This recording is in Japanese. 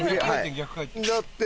逆回転。